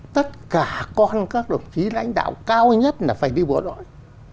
tất cả con các đồng chí lãnh đạo cao nhất là phải đi bộ đội